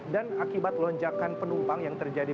dan akibat lonjakan penumpang yang terjadi